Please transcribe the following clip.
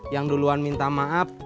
yang duluan minta maaf